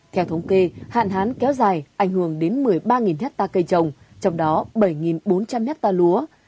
theo thống kê hạn hán kéo dài ảnh hưởng đến một mươi ba hectare cây trồng trong đó bảy bốn trăm linh hectare lúa